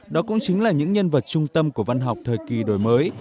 đó cũng chính là những nhân vật trung tâm của văn học thời kỳ đổi mới